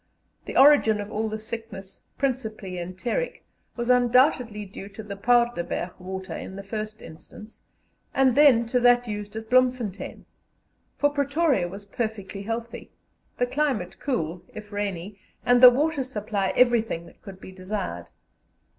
The origin of all the sickness, principally enteric, was undoubtedly due to the Paardeberg water in the first instance, and then to that used at Bloemfontein; for Pretoria was perfectly healthy the climate cool, if rainy, and the water supply everything that could be desired.